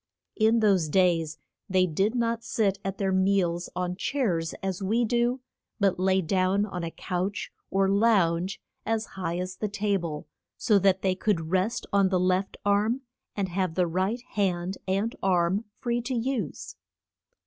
In those days they did not sit at their meals on chairs as we do, but lay down on a couch, or lounge, as high as the ta ble, so that they could rest on the left arm, and have the right hand and arm free to use.